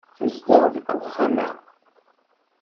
Tezdeɣ deg uxxam-a.